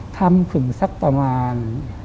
ทำถึงสักประมาณ